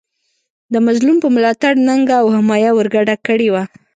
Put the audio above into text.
د مظلوم په ملاتړ ننګه او حمایه ورګډه کړې وه.